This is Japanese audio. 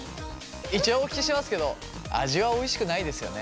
一応お聞きしますけど味はおいしくないですよね？